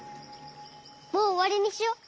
もうおわりにしよう。